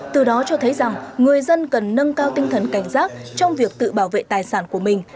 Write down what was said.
từ đó cho thấy rằng người dân cần nâng cao tinh thần cảnh giác trong việc tự bảo vệ tài sản của mình